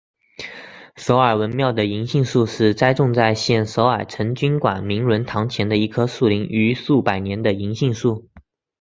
首尔文庙的银杏树是栽种在现首尔成均馆明伦堂前的一棵树龄逾数百年的银杏树。